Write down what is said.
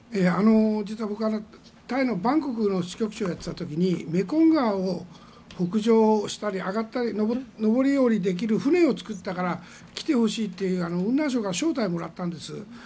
実は僕はタイのバンコクの支局長をやっていた時にメコン川を北上したり上るようにできる船ができたから来てほしいっていう、雲南省から招待をもらったんです。